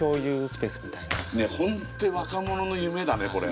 本当に若者の夢だねこれ。